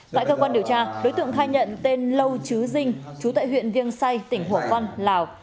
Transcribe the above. tại cơ quan điều tra đối tượng khai nhận tên lâu chứ dinh chú tại huyện viêng say tỉnh hổ văn lào